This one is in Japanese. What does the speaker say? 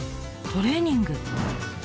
トレーニング？